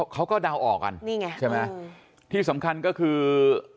เขาก็เดาออกกันที่สำคัญก็คือ